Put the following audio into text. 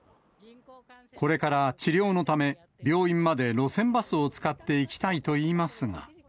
これから治療のため、病院まで路線バスを使って行きたいといいますが。